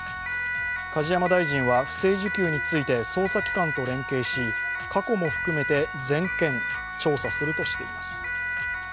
梶山大臣は不正受給について捜査機関と連携し過去も含めて全件、調査するとしています。